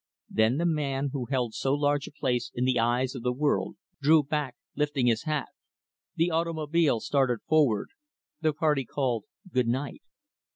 Then the man who held so large a place in the eyes of the world drew back, lifting his hat; the automobile started forward; the party called, "Good night."